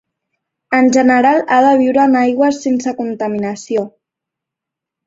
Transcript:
En general ha de viure en aigües sense contaminació.